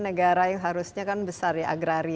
negara yang seharusnya kan besar ya